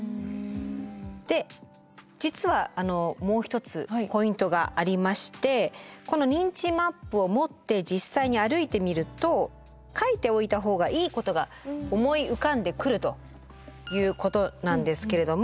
で実はもう一つポイントがありましてこの認知マップを持って実際に歩いてみると書いておいた方がいいことが思い浮かんでくるということなんですけれども。